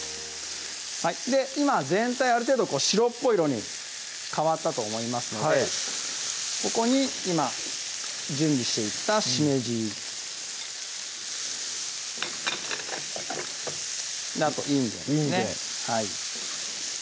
今全体ある程度白っぽい色に変わったと思いますのでここに今準備していたしめじあといんげんですね